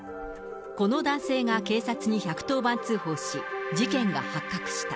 この男性が警察に１１０番通報し、事件が発覚した。